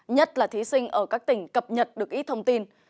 nhất là thí sinh ở các tỉnh cập nhật được ít thông tin